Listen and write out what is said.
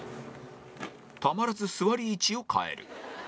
たまらず座り位置を変える